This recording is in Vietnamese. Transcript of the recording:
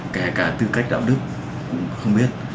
kể cả tư cách đạo đức cũng không biết